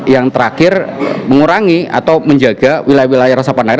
yang terakhir mengurangi atau menjaga wilayah wilayah resapan air